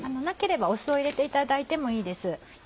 なければ酢を入れていただいてもいいです。